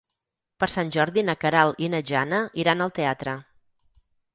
Per Sant Jordi na Queralt i na Jana iran al teatre.